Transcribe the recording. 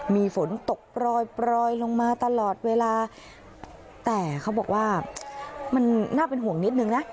มีฝนตกปล่อยลงมาตลอดเวลาแต่เขาบอกว่ามันน่าเป็นห่วงนิดนึงนะ